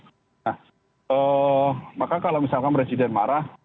nah maka kalau misalkan presiden marah